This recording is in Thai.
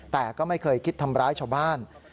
แต่ก็ไม่เคยคิดทำร้ายชาวบ้าน